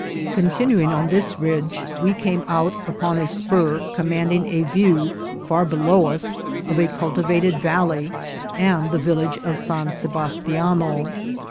Continuing on this ridge, we came out upon a spur commanding a view, far below us, of a cultivated val ley, and the village of San Sebastiano.